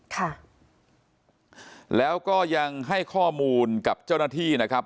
ค่ะแล้วก็ยังให้ข้อมูลกับเจ้าหน้าที่นะครับ